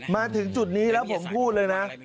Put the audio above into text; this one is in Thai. มาถึงจุดนี้แล้วผมพูดเลยนะ